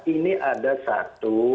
ini ada satu